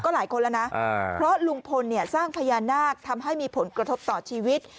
หลายคนแล้วนะเพราะลุงพลเนี่ยสร้างพญานาคทำให้มีผลกระทบต่อชีวิต